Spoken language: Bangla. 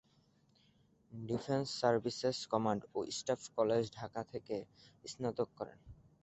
ডিফেন্স সার্ভিসেস কমান্ড ও স্টাফ কলেজ ঢাকা থেকে স্নাতক করেন।